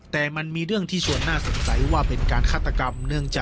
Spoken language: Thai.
แต่มันมีเรื่องที่ชวนน่าสงสัยว่าเป็นการฆาตกรรม